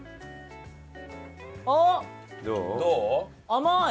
甘い！